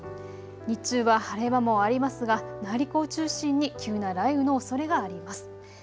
日中は晴れ間もありますが内陸を中心に急な雷雨のおそれがあります。